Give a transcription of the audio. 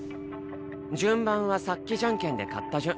順番はさっきじゃんけんで勝った順。